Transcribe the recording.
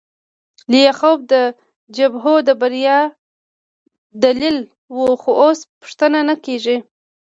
لیاخوف د جبهو د بریا دلیل و خو اوس پوښتنه نه کیږي